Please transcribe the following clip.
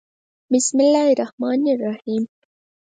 بسم الله الرحمن الرحیم